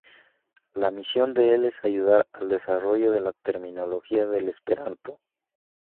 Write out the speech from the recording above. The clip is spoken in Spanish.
La misión del es ayudar al desarrollo de la terminología del esperanto.